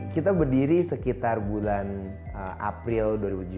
kita berdiri sekitar bulan april dua ribu tujuh belas